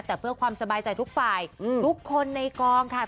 แต่เพื่อความสบายใจทุกฝ่ายทุกคนในกองค่ะ